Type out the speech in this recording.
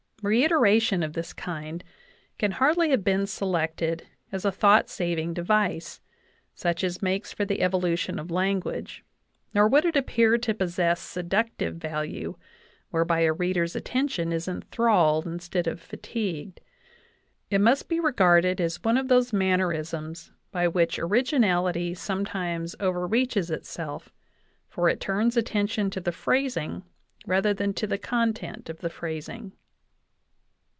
Reiteration of this kind can hardly have been selected as a thought saving device, such as makes for the evolution of language ; nor would it appear to possess seductive value whereby a reader's attention is enthralled in stead of fatigued ; it must be regarded as one of those manner isms by which originality sometimes overreaches itself, for it turns attention to the phrasing rather than to the content of the phrasing.